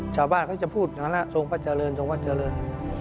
ชาวบ้านเขาจะพูดฐานะทรงพระเจริญทรงวัดเจริญ